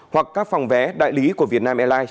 hoặc các phòng vé đại lý của vietnam airlines